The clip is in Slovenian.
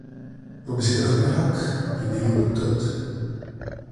V besedah mehak, pri delu trd.